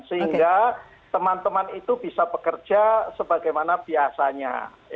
sehingga teman teman itu bisa bekerja sebagaimana biasanya